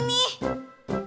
sampai jumpa lagi